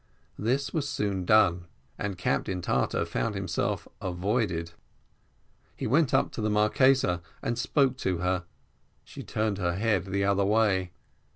This was soon done, and Captain Tartar found himself avoided. He went up to the Marquesa and spoke to her she turned her head the other way.